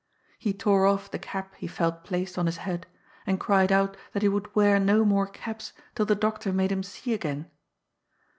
He tore off the cap he felt placed on his head, and cried out that he would wear no more caps till the doctor made him see again.